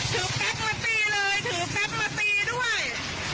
แป๊บมาตีเลยถือแป๊บมาตีด้วย